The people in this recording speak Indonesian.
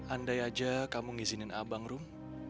andai aja kamu ngizinin abang rum